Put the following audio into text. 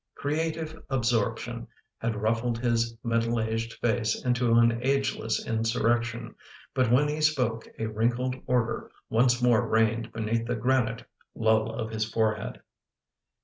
Creative absorp tion had ruffled his middle aged face into an ageless in surrection, but when he spoke a wrinkled order once more reigned beneath the granite lull of his forehead.